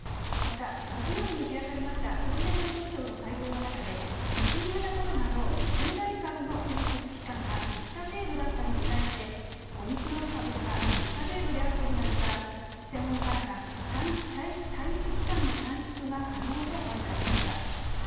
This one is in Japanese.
また、木曜日に開かれました厚生労働省の会合の中で、新型コロナの潜伏期間が５日程度だったのに対してオミクロン株では３日程度であることなどから専門家らが、待機期間の短縮が可能と判断しました。